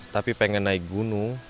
tapi pengen naik gunung